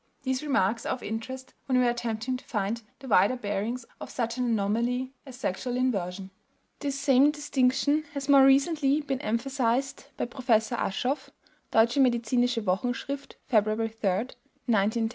These remarks are of interest when we are attempting to find the wider bearings of such an anomaly as sexual inversion. This same distinction has more recently been emphasized by Professor Aschoff (Deutsche medizinische Wochenschrift, February 3, 1910; of.